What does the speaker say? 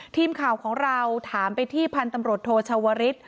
ทีมข่าวของเราถามไปที่พันธุ์ตำรวจโทชาวริส